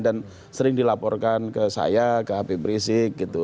dan sering dilaporkan ke saya ke hp brisik gitu